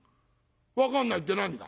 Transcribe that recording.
「分かんないって何が？」。